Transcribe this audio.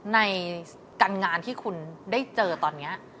ในการงานที่คุณได้เจอตอนนี้